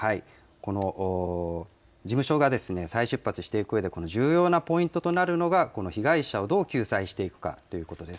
この事務所が再出発していくうえで重要なポイントとなるのが、この被害者をどう救済していくかということです。